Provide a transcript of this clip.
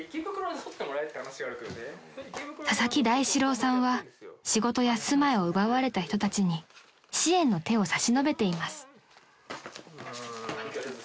［佐々木大志郎さんは仕事や住まいを奪われた人たちに支援の手を差し伸べています］